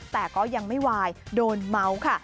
แต่ก็ยังไม่วายโดนเมาส์ค่ะ